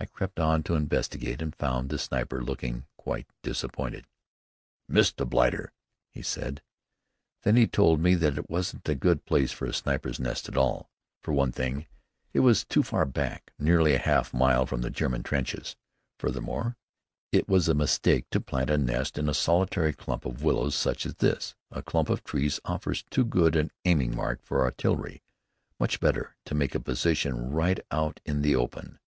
I crept on to investigate and found the sniper looking quite disappointed. "Missed the blighter!" he said. Then he told me that it wasn't a good place for a sniper's nest at all. For one thing, it was too far back, nearly a half mile from the German trenches. Furthermore, it was a mistake to plant a nest in a solitary clump of willows such as this: a clump of trees offers too good an aiming mark for artillery: much better to make a position right out in the open.